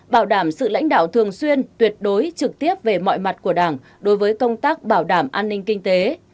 bảo đảm sự lãnh đạo thường xuyên tuyệt đối trực tiếp về mọi mặt của đảng đối với công tác bảo đảm an ninh kinh tế